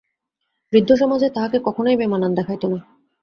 বৃদ্ধসমাজে তাহাকে কখনোই বেমানান দেখাইত না।